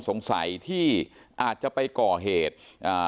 สงสัยที่อาจจะไปก่อเหตุอ่า